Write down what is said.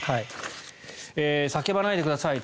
叫ばないでくださいと。